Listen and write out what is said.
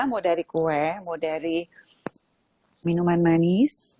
mau dari kue mau dari minuman manis